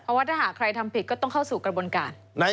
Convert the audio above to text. เพราะว่าถ้าหากใครทำผิดก็ต้องเข้าสู่กระบวนการ